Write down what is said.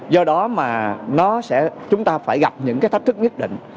do đó mà chúng ta phải gặp những thách thức nhất định